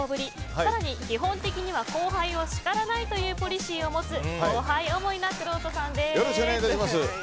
更に基本的には後輩を叱らないというポリシーを持つ後輩思いな、くろうとさんです。